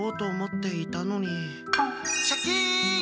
シャキン！